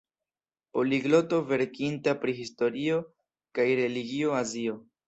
Poligloto verkinta pri historio kaj religio de Azio.